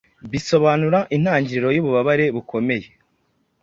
Bisobanura intangiriro yububabare bukomeye